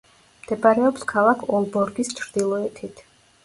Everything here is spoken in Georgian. მდებარეობს ქალაქ ოლბორგის ჩრდილოეთით.